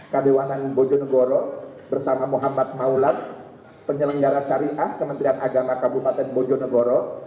kadewanan bojonegoro bersama muhammad maula penyelenggara syariah kementerian agama kabupaten bojonegoro